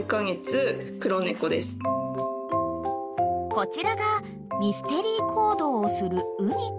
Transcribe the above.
［こちらがミステリー行動をするうに君］